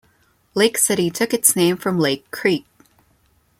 Lake City took its name from Lake Creek.